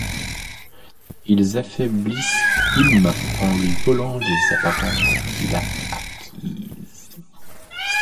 Ils affaiblissent Imm en lui volant les apparences qu'Il a acquises.